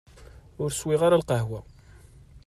Ur swiɣ ara lqahwa.